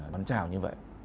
bắn trào như vậy